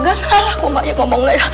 gan alah kok banyak ngomong